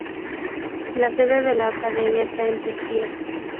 La Sede de la Academia está en Pristina.